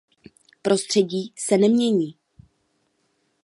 Prostředí se nemění.